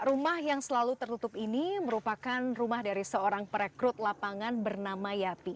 rumah yang selalu tertutup ini merupakan rumah dari seorang perekrut lapangan bernama yapi